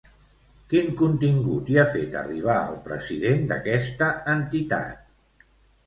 Quin contingut hi ha fet arribar el president d'aquesta entitat?